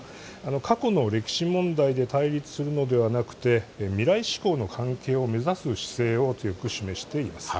過去の歴史問題で対立するのではなくて未来志向の関係を目指す姿勢を強く示しています。